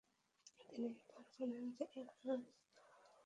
তিনি ফ্লোরেন্স কে নামেই সমধিক পরিচিত।